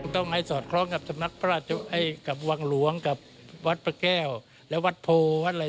ต้องให้สอดคล้องกับสมัครพระราชวังวังหลวงวัฒน์ประแก้ววัฒน์โพธิ์